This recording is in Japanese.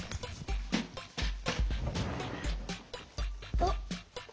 あっ！